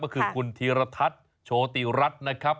ก็คือคุณธีรทัศน์โชติรัฐนะครับ